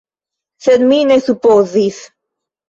Sed mi ne supozis.